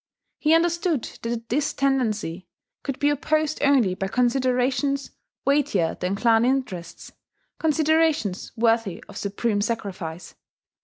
He understood that this tendency could be opposed only by considerations weightier than clan interests, considerations worthy of supreme sacrifice.